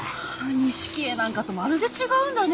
錦絵なんかとまるで違うんだね！